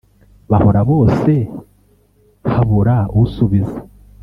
Bahora bose habura usubiza